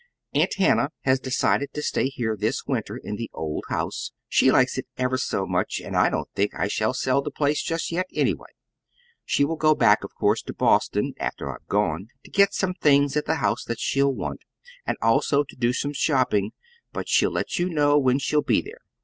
"Aunt Hannah has decided to stay here this winter in the old house. She likes it ever so much, and I don't think I shall sell the place just yet, anyway. She will go back, of course, to Boston (after I've gone) to get some things at the house that she'll want, and also to do some shopping. But she'll let you know when she'll be there.